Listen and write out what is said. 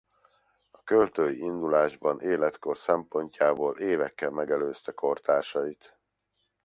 A költői indulásban életkor szempontjából évekkel megelőzte kortársait.